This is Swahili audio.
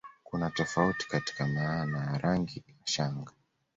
Kuna tofauti katika maana ya rangi ya shanga